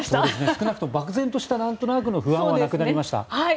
少なくとも漠然とした何となくの不安はなくなりました。